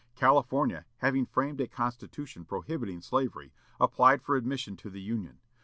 California, having framed a constitution prohibiting slavery, applied for admission to the Union.